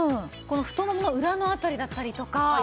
この太ももの裏の辺りだったりとか。